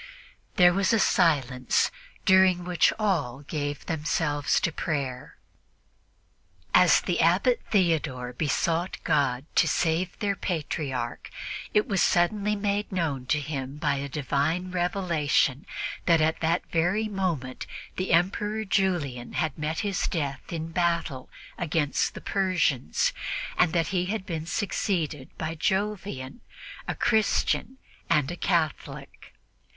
There was a silence during which all gave themselves to prayer. As the Abbot Theodore besought God to save their Patriarch, it was suddenly made known to him by a divine revelation that at that very moment the Emperor Julian had met his death in battle against the Persians, and that he had been succeeded by Jovian, a Christian and a Catholic.